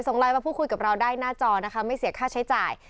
ไลน์มาพูดคุยกับเราได้หน้าจอนะคะไม่เสียค่าใช้จ่าย